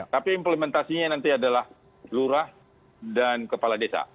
tapi implementasinya nanti adalah lurah dan kepala desa